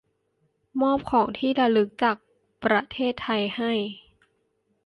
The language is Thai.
มอบของที่ระลึกจากประเทศไทยให้